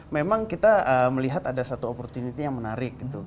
memang kita melihat ada satu opportunity yang menarik gitu